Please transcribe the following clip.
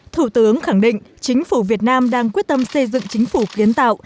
thủ tướng khẳng định chính phủ việt nam đang quyết tâm xây dựng chính phủ kiến tạo